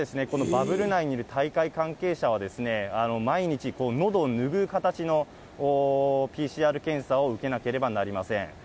このバブル内にいる大会関係者は、毎日、のどをぬぐう形のＰＣＲ検査を受けなければなりません。